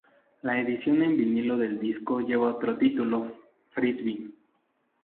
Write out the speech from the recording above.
La edición en vinilo del disco lleva otro título, "Frisbee".